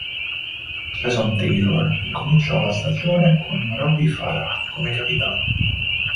Jason Taylor incominciò la stagione con Robbie Farah come capitano.